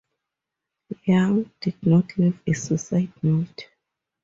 Yung did not leave a suicide note.